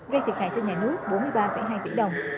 gây thiệt hại cho nhà nước bốn mươi ba hai tỷ đồng